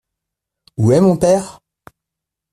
Où est mon père ?